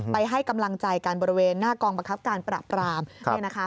ไปให้กำลังใจการบริเวณหน้ากองประคับการปราบการแบบนี่นะคะ